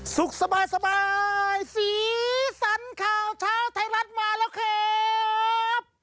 สุขสบายสีสันข่าวเช้าไทยรัฐมาแล้วครับ